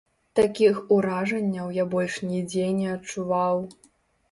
Такіх уражанняў я больш нідзе не адчуваў.